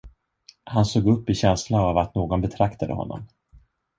Han såg upp i känsla av att någon betraktade honom.